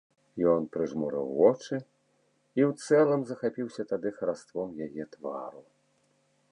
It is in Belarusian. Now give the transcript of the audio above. Ён прыжмурыў вочы і ў цэлым захапіўся тады хараством яе твару.